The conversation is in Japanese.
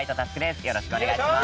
よろしくお願いします。